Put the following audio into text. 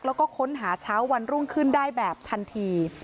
แล้วก็ค้นหาเช้าวันรุ่งขึ้นได้แบบทันที